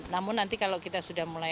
namun nanti kalau kita sudah mulai